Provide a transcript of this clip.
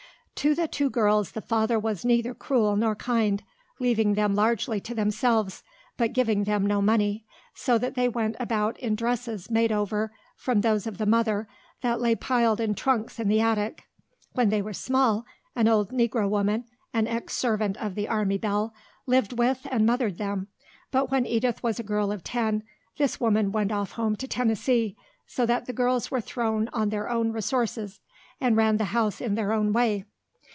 To the two girls the father was neither cruel nor kind, leaving them largely to themselves but giving them no money, so that they went about in dresses made over from those of the mother, that lay piled in trunks in the attic. When they were small, an old Negro woman, an ex servant of the army belle, lived with and mothered them, but when Edith was a girl of ten this woman went off home to Tennessee, so that the girls were thrown on their own resources and ran the house in their own way.